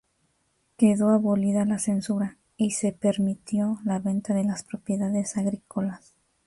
Quedó abolida la censura y se permitió la venta de las propiedades agrícolas.